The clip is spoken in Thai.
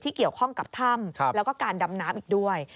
เกี่ยวข้องกับถ้ำแล้วก็การดำน้ำอีกด้วย